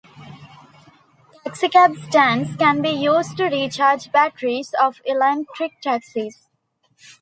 Taxicab stands can be used to recharge batteries of electric taxis.